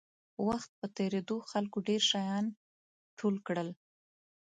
وخت په تېرېدو خلکو ډېر شیان ټول کړل.